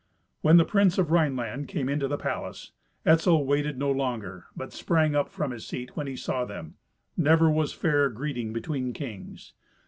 When the prince of Rhineland came into the palace, Etzel waited no longer, but sprang up from his seat when he saw them. Never was fairer greeting between kings.